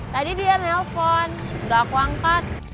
tadi dia nelpon gak aku angkat